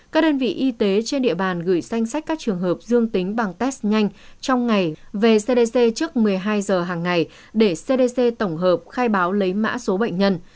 đa khoa quốc tế trên địa bàn gửi danh sách các trường hợp dương tính bằng test nhanh trong ngày về cdc trước một mươi hai h hàng ngày để cdc tổng hợp khai báo lấy mã số bệnh nhân